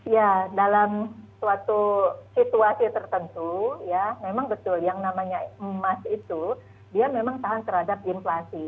ya dalam suatu situasi tertentu ya memang betul yang namanya emas itu dia memang tahan terhadap inflasi